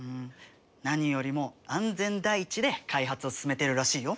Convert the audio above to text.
何よりも安全第一で開発を進めてるらしいよ。